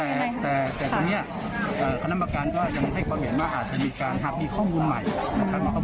จะทั้งเป็นแห่งแต่ที่นี่แต่น้ำมากันก็การยังใช้ข้อเห็นว่าอาจมีการครับอีกของใหม่